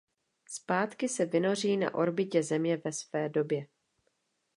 Zpátky se vynoří na orbitě Země ve své době.